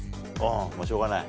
もうしょうがない。